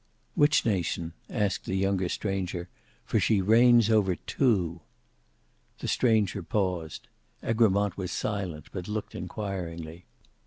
"Which nation?" asked the younger stranger, "for she reigns over two." The stranger paused; Egremont was silent, but looked inquiringly.